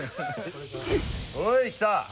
おいきた！